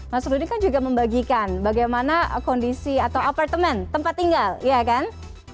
mas rudy kan juga membagikan bagaimana kondisi atau apartemen tempat tinggal ya kan